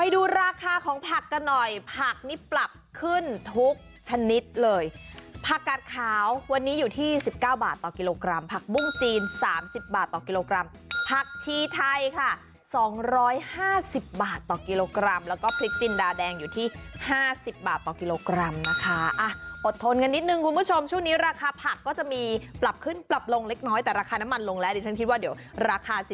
ดูราคาของผักกันหน่อยผักนี่ปรับขึ้นทุกชนิดเลยผักกาดขาววันนี้อยู่ที่สิบเก้าบาทต่อกิโลกรัมผักบุ้งจีนสามสิบบาทต่อกิโลกรัมผักชีไทยค่ะสองร้อยห้าสิบบาทต่อกิโลกรัมแล้วก็พริกจินดาแดงอยู่ที่ห้าสิบบาทต่อกิโลกรัมนะคะอ่ะอดทนกันนิดหนึ่งคุณผู้ชมช่วงนี้ราคาผักก็จะมีปร